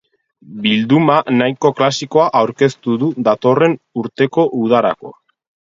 Bilduma nahiko klasikoa aurkeztu du datorren urteko udarako.